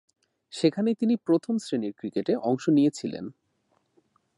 সেখানেই তিনি প্রথম-শ্রেণীর ক্রিকেটে অংশ নিয়েছিলেন।